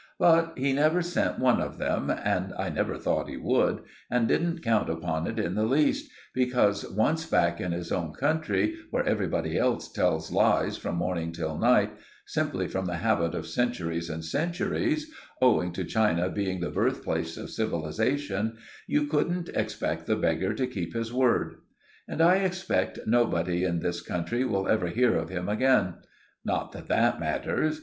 But he never sent one of them; and I never thought he would, and didn't count upon it in the least, because, once back in his own country, where everybody tells lies from morning till night, simply from the habit of centuries and centuries, owing to China being the birthplace of civilization, you couldn't expect the beggar to keep his word. And I expect nobody in this country will ever hear of him again. Not that that matters.